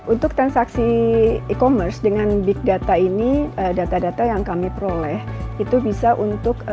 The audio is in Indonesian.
untuk transaksi e commerce dengan big data ini data data yang kami peroleh itu bisa untuk